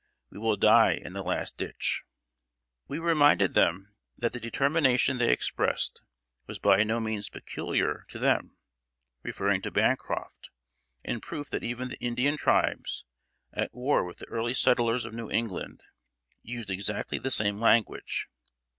We will die in the last ditch!" We reminded them that the determination they expressed was by no means peculiar to them, referring to Bancroft, in proof that even the Indian tribes, at war with the early settlers of New England, used exactly the same language.